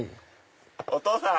お父さん。